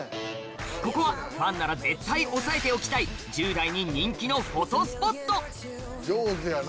ここはファンなら絶対押さえておきたい１０代に人気のフォトスポット上手やな